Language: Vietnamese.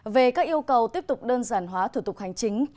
về các yêu cầu tiếp tục đơn giản hóa thủ tục hành chính